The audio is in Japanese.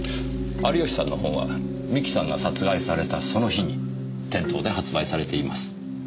有吉さんの本は三木さんが殺害されたその日に店頭で発売されています。